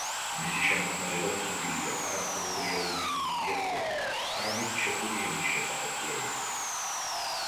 მისი შემოქმედება ცნობილია არა მხოლოდ რეალობის ზუსტი აღწერით, არამედ ჩეხური ენის შესახებ კვლევებით.